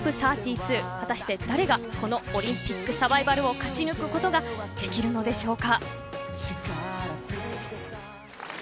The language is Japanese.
果たして誰が、このオリンピックサバイバルを勝ち抜くことができるのでしょうか。